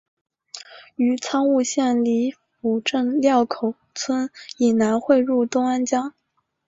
于苍梧县梨埠镇料口村以南汇入东安江。